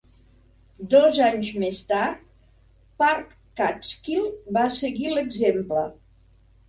Dos anys més tard, Park Catskill va seguir l'exemple.